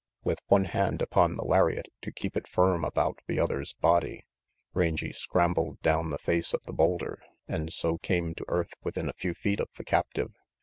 With one hand upon the lariat to keep it firm about the other's body, Rangy scrambled down the face of the boulder and so came to earth within a few feet of the captive.